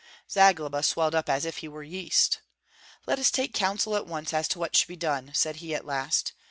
Zagloba swelled up as if he were yeast. "Let us take counsel at once as to what should be done," said he at last.